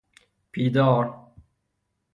پیه دار